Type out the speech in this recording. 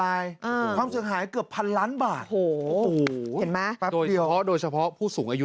ของความฉอะหายเกือบ๑๐๐๐ล้านบาทโหเห็นไหมโดยเฉพาะโดยเฉพาะผู้สูงอายุ